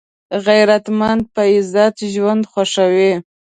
غیرتمند په عزت ژوند خوښوي